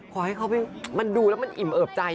ขอให้เขามันดูแล้วมันอิ่มเอิบใจ